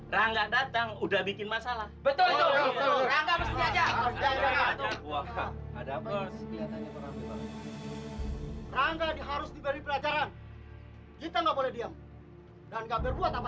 rangga datang udah bikin masalah betul betul ada apa